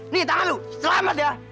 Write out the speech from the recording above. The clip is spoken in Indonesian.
nih tangan loh selamat ya